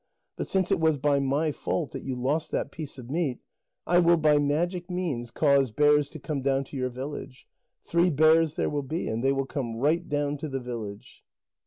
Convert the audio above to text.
But since it was by my fault that you lost that piece of meat, I will by magic means cause bears to come down to your village. Three bears there will be, and they will come right down to the village."